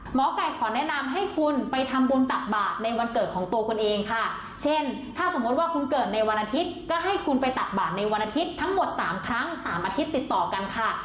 หมอไก่ขอแนะนำให้คุณไปทำบุญตักบาทในวันเกิดของตัวคุณเองค่ะเช่นถ้าสมมุติว่าคุณเกิดในวันอาทิตย์ก็ให้คุณไปตักบาทในวันอาทิตย์ทั้งหมดสามครั้งสามอาทิตย์ติดต่อกันค่ะ